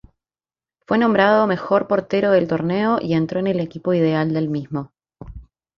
Fue nombrado mejor portero del torneo y entró en el equipo ideal del mismo.